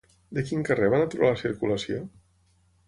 De quin carrer van aturar la circulació?